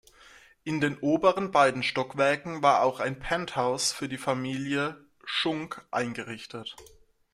In den oberen beiden Stockwerken war auch ein Penthouse für die Familie Schunck eingerichtet.